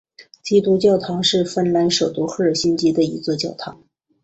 基督教堂是芬兰首都赫尔辛基的一座教堂。